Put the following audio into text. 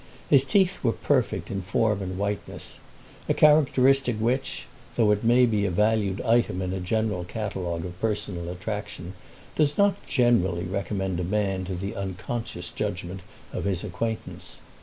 His teeth were perfect in form and whiteness, a characteristic which, though it may be a valued item in a general catalogue of personal attraction, does not generally recommend a man to the unconscious judgment of his acquaintance.